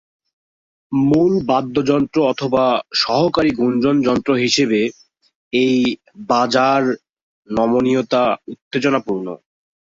মূল বাদ্যযন্ত্র অথবা সহকারী গুঞ্জন যন্ত্র হিসাবে, এই "বাজা"র নমনীয়তা উত্তেজনাপূর্ণ।